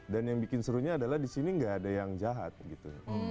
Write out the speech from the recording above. dan yang bikin serunya adalah di sini gak ada yang jahat gitu